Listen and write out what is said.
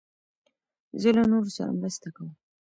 زه له نورو سره مرسته کوم.